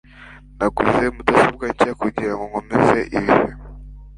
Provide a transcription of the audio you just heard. Naguze mudasobwa nshya kugirango nkomeze ibihe.